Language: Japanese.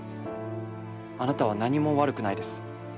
あなたは何も悪くないです。